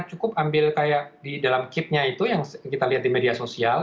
cukup ambil kayak di dalam kipnya itu yang kita lihat di media sosial